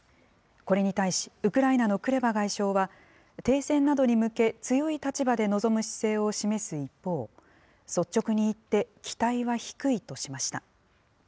これに対し、ウクライナのクレバ外相は、停戦などに向け、強い立場で臨む姿勢を示す一方、率直に言って期待は低いとしました。